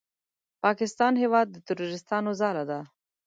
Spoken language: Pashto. پاکستان هېواد د تروریستانو ځاله ده!